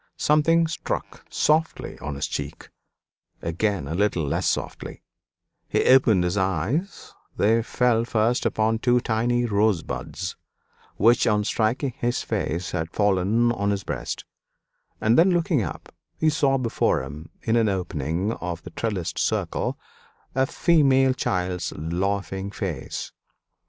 Something struck softly on his cheek again a little less softly; he opened his eyes they fell first upon two tiny rosebuds, which, on striking his face, had fallen on his breast; and then looking up, he saw before him, in an opening of the trellised circle, a female child's laughing face.